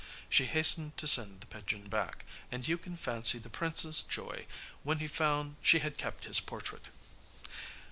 She hastened to send the pigeon back, and you can fancy the prince's joy when he found she had kept his portrait.